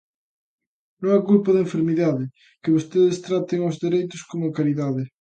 Non é culpa da enfermidade, que vostedes tratan os dereitos como caridade.